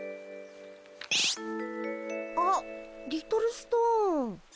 あリトルストーン。